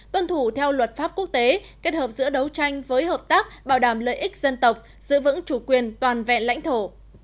tuân thủ theo luật pháp quốc tế kết hợp giữa đấu tranh với hợp tác bảo đảm lợi ích dân tộc giữ vững chủ quyền toàn vẹn lãnh thổ